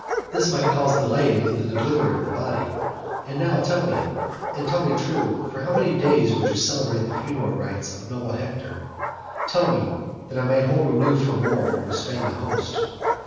This might cause delay in the delivery of the body. And now tell me and tell me true, for how many days would you celebrate the funeral rites of noble Hector? Tell me, that I may hold aloof from war and restrain the host."